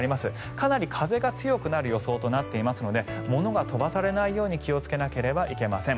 かなり風が強くなる予想となっていますので物が飛ばされないように気をつけなければいけません。